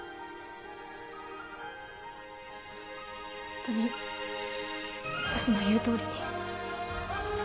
ホントに私の言うとおりに？